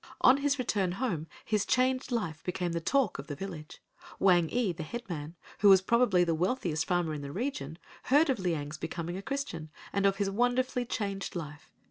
On his return home his changed life became the talk of the village. Wang ee, the headman, who was probably the wealthiest farmer in the region, heard of Liang's becoming a Christian, and of his wonderfully changed life.